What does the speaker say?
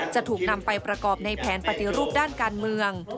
จะถูกนำไปประกอบในแผนปฏิรูปด้านการเมือง